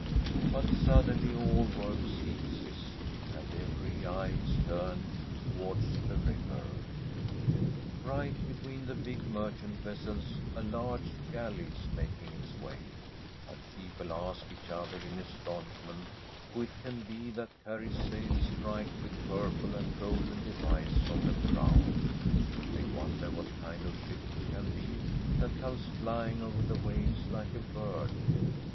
But suddenly all work ceases, and every eye is turned towards the river. Right between the big merchant vessels a large galley is making its way, and people ask each other in astonishment who it can be that carries sails striped with purple and a golden device on the prow; they wonder what kind of ship it can be that comes flying over the waves hke a bird.